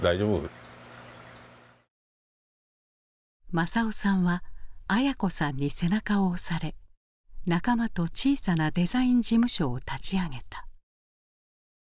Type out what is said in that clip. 政男さんは文子さんに背中を押され仲間と小さなデザイン事務所を立ち上げた。